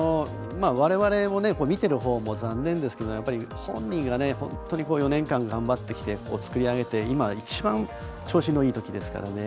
われわれも見てるほうも残念ですけども本人が本当に４年間頑張ってきて、作り上げてきて今、一番調子がいいときですから。